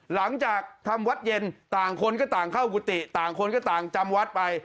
หลังจากทำวัดเย็นต่างคนก็ต่างเข้ากุฏิต่างคนก็ต่างจำวัดไป